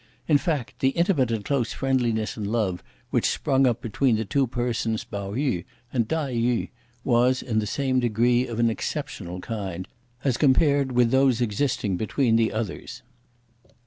In fact, the intimate and close friendliness and love which sprung up between the two persons Pao yü and Tai yü, was, in the same degree, of an exceptional kind, as compared with those existing between the others.